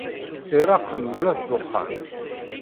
Ireqq mebla d dexxan.